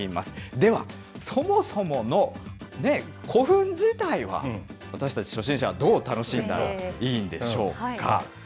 では、そもそもの古墳自体は、私たち初心者はどう楽しんだらいいんでしょうか。